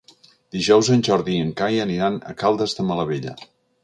Dijous en Jordi i en Cai aniran a Caldes de Malavella.